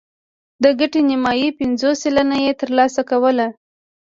د ګټې نیمايي پنځوس سلنه یې ترلاسه کوله